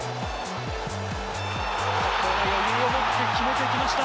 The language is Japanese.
ここは余裕を持って決めてきました！